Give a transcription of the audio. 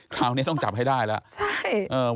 คราวนี้ต้องจับให้ได้แล้วใช่